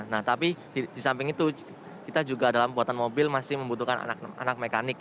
nah tapi di samping itu kita juga dalam buatan mobil masih membutuhkan anak mekanik